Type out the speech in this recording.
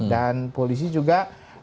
dan polisi juga